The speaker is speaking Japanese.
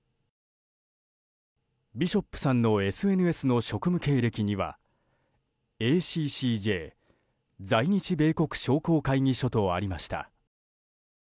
ビショップさんのＳＮＳの職務経歴にはＡＣＣＪ・在日米国商工会議所とありました。